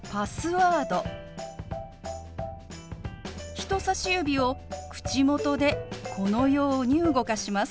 人さし指を口元でこのように動かします。